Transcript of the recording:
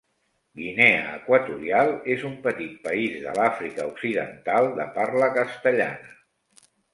Guinea Equatorial és un petit país de l'Àfrica occidental de parla castellana.